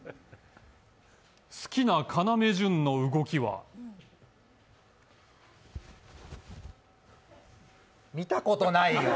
好きな要潤の動きは見たことないよ。